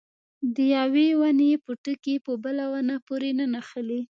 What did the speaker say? د یوې ونې پوټکي په بله ونه پورې نه نښلي.